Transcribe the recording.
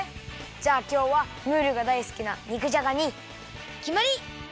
じゃあきょうはムールがだいすきな肉じゃがにきまり！